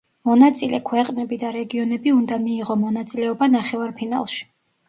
მონაწილე ქვეყნები და რეგიონები უნდა მიიღო მონაწილეობა ნახევარფინალში.